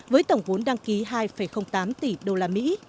với tổng vốn đăng ký hai tám tỷ usd